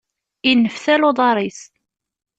Inneftal uḍaṛ-is.